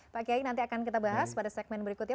pak kiai nanti akan kita bahas pada segmen berikutnya